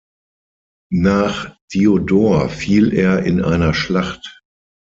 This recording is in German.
Nach Diodor fiel er in einer Schlacht.